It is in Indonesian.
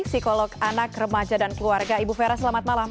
psikolog anak remaja dan keluarga ibu vera selamat malam